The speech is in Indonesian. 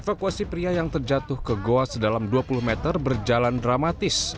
evakuasi pria yang terjatuh ke goa sedalam dua puluh meter berjalan dramatis